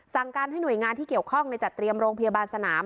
สั่งการให้หน่วยงานที่เกี่ยวข้องในจัดเตรียมโรงพยาบาลสนาม